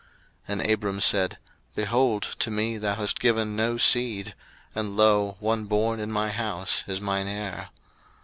01:015:003 And Abram said, Behold, to me thou hast given no seed: and, lo, one born in my house is mine heir.